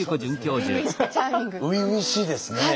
初々しいですね！